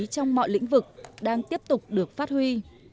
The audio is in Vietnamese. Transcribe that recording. trong mọi lĩnh vực đang tiếp tục được phát huy